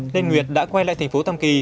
nên nguyệt đã quay lại thành phố tâm kỳ